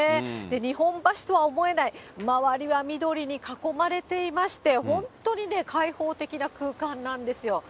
日本橋とは思えない、周りは緑に囲まれていまして、本当にね、開放的な空間なんですよ。